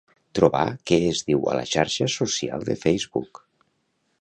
Trobar què es diu a la xarxa social de Facebook.